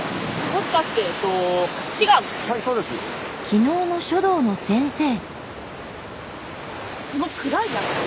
昨日の書道の先生。